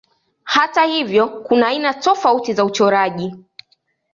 Hata hivyo kuna aina tofauti za uchoraji.